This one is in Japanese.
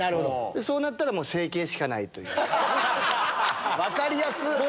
そうなったらもう整形しかないと分かりやすっ。